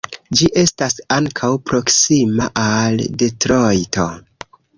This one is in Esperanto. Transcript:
Ĝi estas ankaŭ proksima al Detrojto.